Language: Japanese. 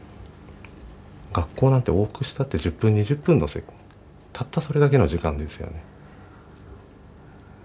学校なんて往復したって１０分２０分たったそれだけの時間ですよね。